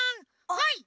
はい！